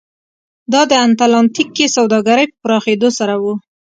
دا د اتلانتیک کې سوداګرۍ په پراخېدو سره و.